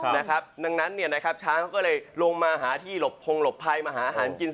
ดังนั้นช้างก็เลยลงมาหาที่หลบพร้อยหาอาหารกินสน่อย